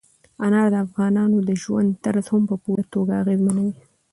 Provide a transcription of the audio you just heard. انار د افغانانو د ژوند طرز هم په پوره توګه اغېزمنوي.